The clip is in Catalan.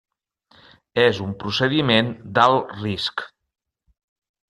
És un procediment d'alt risc.